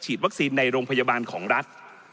วัคซีนในโรงพยาบาลของรัฐ